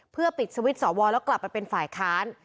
เพื่อปิดสวิตช์สวแล้วกลับไปเป็นฝ่ายค้าน